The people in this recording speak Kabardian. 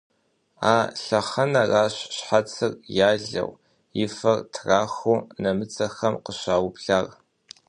А лъэхъэнэращ щхьэцыр ялэу, и фэр трахуу нэмыцэхэм къыщаублар.